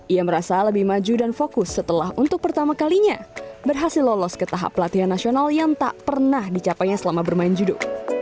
ia merasa lebih maju dan fokus setelah untuk pertama kalinya berhasil lolos ke tahap pelatihan nasional yang tak pernah dicapainya selama bermain judul